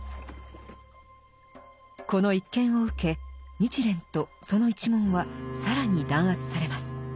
この一件を受け日蓮とその一門は更に弾圧されます。